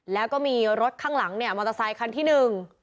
แล้วก็มีรถข้างหลังเนี่ยมอเตอร์ไซคันที่หนึ่ง